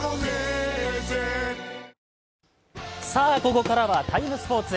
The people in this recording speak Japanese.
ここからは「ＴＩＭＥ，スポーツ」。